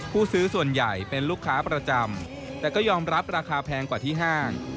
ผู้ซื้อส่วนใหญ่เป็นลูกค้าประจำแต่ก็ยอมรับราคาแพงกว่าที่ห้าง